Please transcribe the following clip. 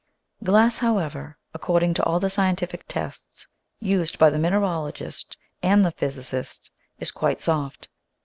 Glass, however, according to all the scientific tests used by the mineralogist and the physicist, is quite soft.